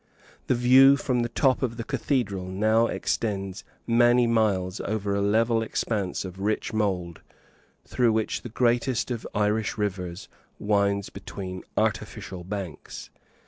The view from the top of the cathedral now extends many miles over a level expanse of rich mould, through which the greatest of Irish rivers winds between artificial banks.